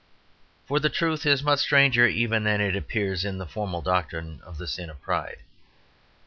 For the truth is much stranger even than it appears in the formal doctrine of the sin of pride.